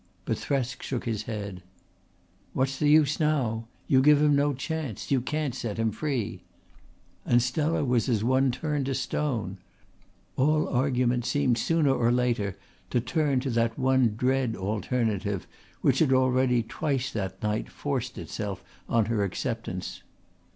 But Thresk shook his head. "What's the use now? You give him no chance. You can't set him free"; and Stella was as one turned to stone. All argument seemed sooner or later to turn to that one dread alternative which had already twice that night forced itself on her acceptance.